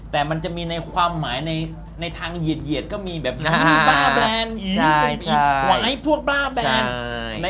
แต่มันจะมีในความหมายในทางเหยียดก็มีแบบนี้มีบ้าแบรนด์ไว้พวกบ้าแบรนด์